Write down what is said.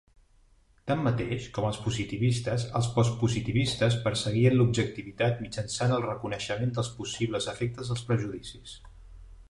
Tanmateix, com els positivistes, els post-positivistes perseguien l'objectivitat mitjançant el reconeixement dels possibles efectes dels prejudicis.